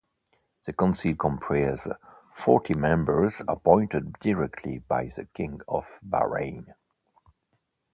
The Council comprises forty members appointed directly by the King of Bahrain.